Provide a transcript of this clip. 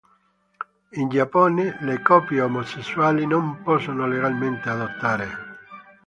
In Giappone le coppie omosessuali non possono legalmente adottare.